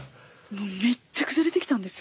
もうめっちゃくちゃ出てきたんですよ。